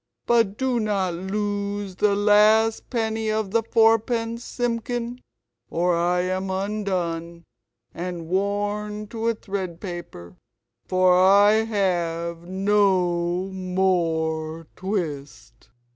But do not lose the last penny of the fourpence, Simpkin, or I am undone and worn to a thread paper, for I have NO MORE TWIST."